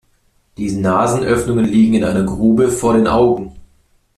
Die Nasenöffnungen liegen in einer Grube vor den Augen.